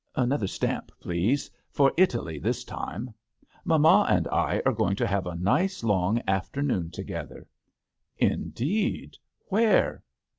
Another stamp, please ; for Italy this time. Mamma and I are going to have a nice long after noon together." " Indeed ! Where